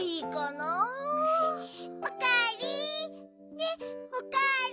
ねっおかえり。